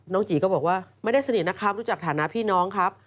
จีก็บอกว่าไม่ได้สนิทนะครับรู้จักฐานะพี่น้องครับ